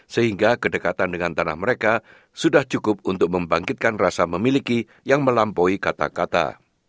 sehingga kedekatan dengan tanah mereka sudah cukup untuk membangkitkan rasa memiliki yang melampaui kata kata